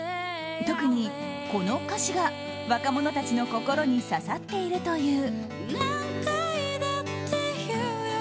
特に、この歌詞が若者たちの心に刺さっているという。